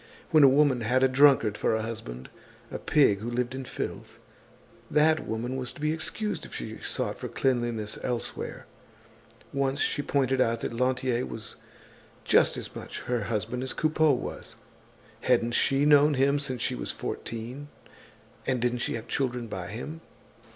When a woman had a drunkard for a husband, a pig who lived in filth, that woman was to be excused if she sought for cleanliness elsewhere. Once she pointed out that Lantier was just as much her husband as Coupeau was. Hadn't she known him since she was fourteen and didn't she have children by him?